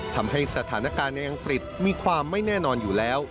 ทำให้สถานการณ์ในอังกฤษมีความไม่แน่นอนอยู่แล้ว